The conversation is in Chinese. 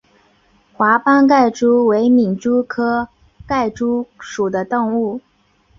华斑盖蛛为皿蛛科盖蛛属的动物。